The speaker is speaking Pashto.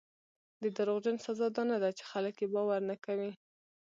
د دروغجن سزا دا نه ده چې خلک یې باور نه کوي.